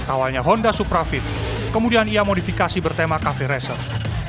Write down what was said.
awalnya honda suprafit kemudian ia modifikasi bertema cafe racer